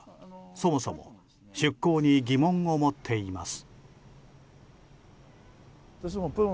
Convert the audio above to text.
そもそも出航に疑問を持っています。